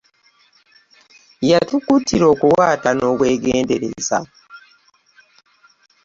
Yatukuutira okuwaata n'obwegendereza.